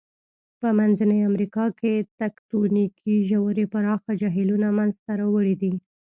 په منځنۍ امریکا کې تکتونیکي ژورې پراخه جهیلونه منځته راوړي دي.